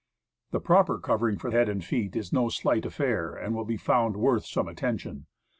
The proper covering for head and feet is no slight affair, and will be found worth some attention.